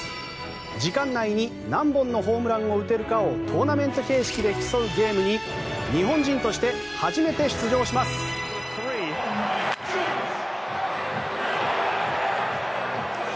時間内に何本のホームランを打てるかをトーナメント形式で競うゲームに日本人として初めて出場します。